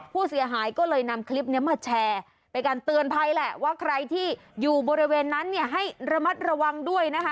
ผู้เสียหายก็เลยนำคลิปนี้มาแชร์เป็นการเตือนภัยแหละว่าใครที่อยู่บริเวณนั้นเนี่ยให้ระมัดระวังด้วยนะคะ